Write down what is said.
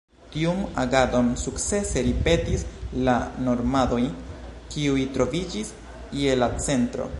Tiun agadon sukcese ripetis la normandoj, kiuj troviĝis je la centro.